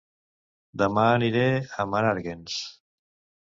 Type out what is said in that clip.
Dema aniré a Menàrguens